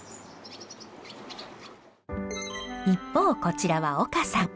一方こちらは丘さん。